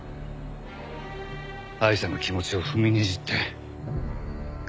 アイシャの気持ちを踏みにじって。